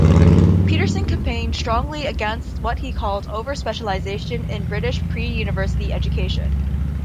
Peterson campaigned strongly against what he called 'over-specialisation' in British pre-university education.